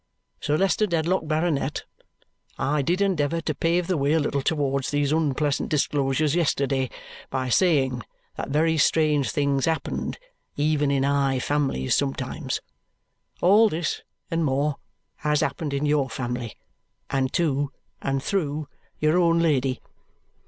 Sir Leicester Dedlock, Baronet, I did endeavour to pave the way a little towards these unpleasant disclosures yesterday by saying that very strange things happened even in high families sometimes. All this, and more, has happened in your own family, and to and through your own Lady.